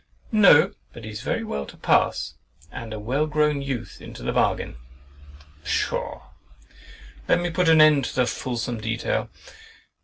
"No, but he's very well to pass, and a well grown youth into the bargain." Pshaw! let me put an end to the fulsome detail.